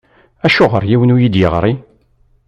Acuɣer yiwen ur yi-d-iɣṛi?